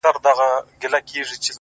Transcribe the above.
o ځكه د كلي مشر ژوند د خواركي ورانوي ـ